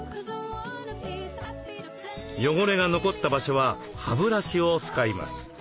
汚れが残った場所は歯ブラシを使います。